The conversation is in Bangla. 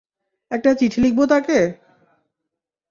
একটা চিঠি লিখব তাকে?